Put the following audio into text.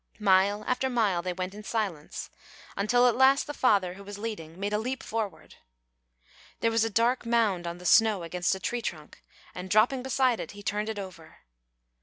Mile after mile they went in silence, until at last the father, who was leading, made a leap forward. There was a dark mound on the snow against a tree trunk, and dropping beside it he turned it over.